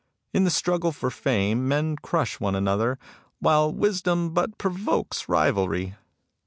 In the struggle for fame men crush one another, while their wisdom but provokes rivalry.